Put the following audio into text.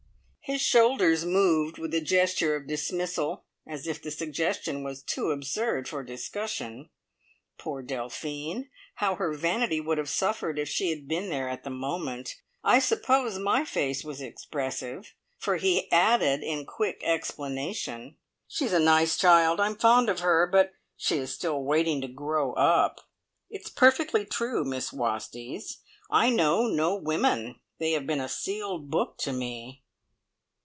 His shoulders moved with a gesture of dismissal, as if the suggestion was too absurd for discussion. Poor Delphine, how her vanity would have suffered if she had been there at the moment! I suppose my face was expressive, for he added in quick explanation: "She's a nice child. I'm fond of her, but she is still waiting to grow up. It's perfectly true, Miss Wastneys, I know no women. They have been a sealed book to me."